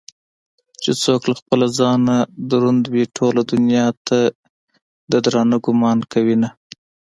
چې څوك له خپله ځانه دروندوي ټولې دنياته ددراندۀ ګومان كوينه